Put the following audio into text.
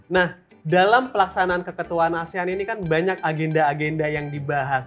nah dalam pelaksanaan keketuaan asean ini kan banyak agenda agenda yang dibahas